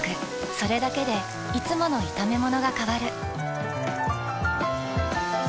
それだけでいつもの炒めものが変わる。